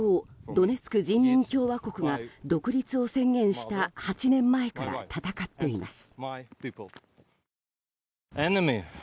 ドネツク人民共和国が独立を宣言した８年前から戦っています。